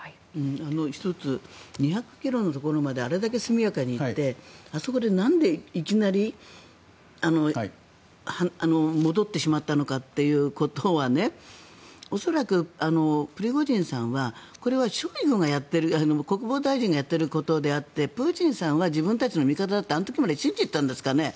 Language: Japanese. １つ２００ｋｍのところまであれだけ速やかに行ってあそこでなんでいきなり戻ってしまったのかということは恐らく、プリゴジンさんはこれはショイグ、国防大臣がやっていることであってプーチンさんは自分たちの味方だってあの時まで信じていたんですかね。